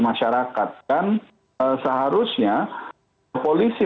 masyarakat dan seharusnya polisi